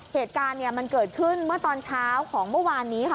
เหตุการณ์เนี่ยมันเกิดขึ้นเมื่อตอนเช้าของเมื่อวานนี้ค่ะ